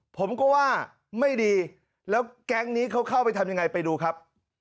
ผมก็ว่าไม่ดีแล้วแก๊งนี้เขาเข้าไปทำยังไงไปดูครับ